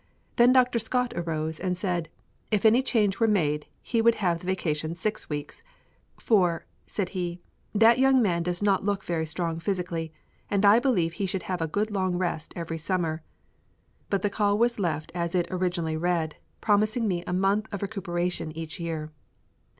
Then Dr. Scott arose and said, if any change were made he would have the vacation six weeks; "For," said he, "that young man does not look very strong physically, and I believe he should have a good long rest every summer." But the call was left as it originally read, promising me a month of recuperation each year.